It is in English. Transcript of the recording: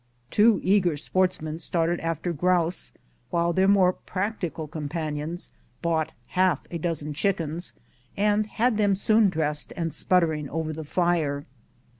Two eager sportsmen started after grouse, while their more prac tical companions bought half a dpzen chickens, and had them soon dressed and sputtering over the fire.